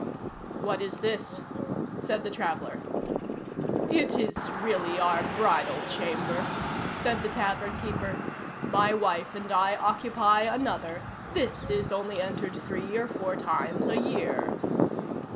"What is this?" said the traveller. "It is really our bridal chamber," said the tavern keeper. "My wife and I occupy another. This is only entered three or four times a year."